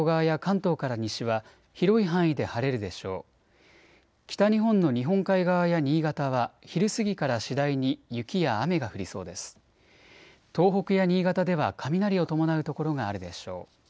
東北や新潟では雷を伴う所があるでしょう。